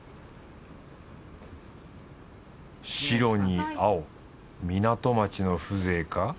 白に青港町の風情か